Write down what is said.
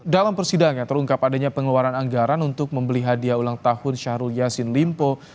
dalam persidangan terungkap adanya pengeluaran anggaran untuk membeli hadiah ulang tahun syahrul yassin limpo